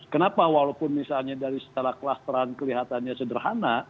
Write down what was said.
kenapa walaupun misalnya dari setelah kelas terang kelihatannya sederhana